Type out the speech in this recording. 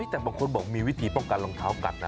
แต่บางคนบอกมีวิธีป้องกันรองเท้ากัดนะ